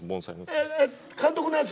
えっ監督のやつ？